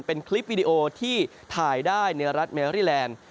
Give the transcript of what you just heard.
เป็นคลิปวิดีโอที่ถ่ายได้ในรัฐเมอรี่แลนด์